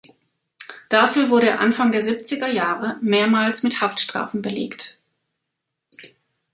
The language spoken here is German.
Dafür wurde er Anfang der siebziger Jahre mehrmals mit Haftstrafen belegt.